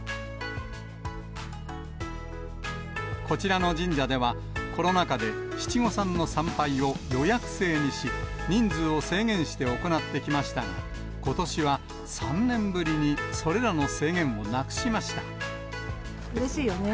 こちらの神社では、コロナ禍で七五三の参拝を予約制にし、人数を制限して行ってきましたが、ことしは３年ぶりに、それらの制うれしいよね。